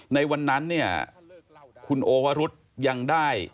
ในวันนั้นคุณโอวรุษร์ยังได้